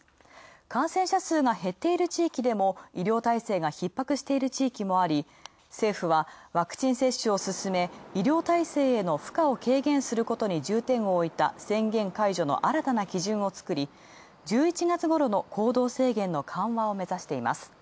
感染者数が減っている地域でも、医療体制がひっ迫している地域もあり政府はワクチン接種をすすめ医療体制への負荷を軽減することに重点をおいた宣言解除の新たな基準をつくり１１月ごろの行動制限の緩和を目指しています。